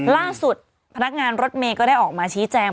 พนักงานรถเมย์ก็ได้ออกมาชี้แจง